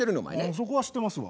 そこは知ってますわ。